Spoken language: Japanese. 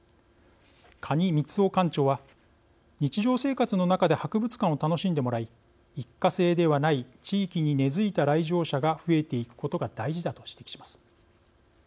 可児光生館長は「日常生活のなかで博物館を楽しんでもらい一過性ではない地域に根づいた来場者が増えていくことが大事だ」と指摘します。